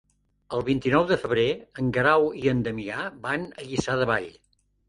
El vint-i-nou de febrer en Guerau i en Damià van a Lliçà de Vall.